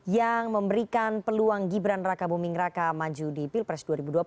yang memberikan peluang gibran raka buming raka maju di pilpres dua ribu dua puluh